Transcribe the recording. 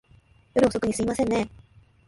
夜遅く、すいませんねぇ。